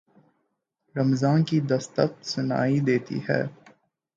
رمضان کی دستک سنائی دیتی ہے۔